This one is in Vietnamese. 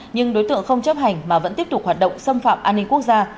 nhưng đối tượng không chấp hành mà vẫn tiếp tục hoạt động xâm phạm an ninh quốc gia